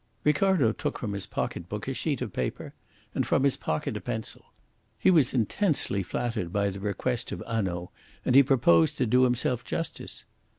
Ricardo took from his pocket book a sheet of paper and from his pocket a pencil. He was intensely flattered by the request of Hanaud, and he proposed to do himself justice.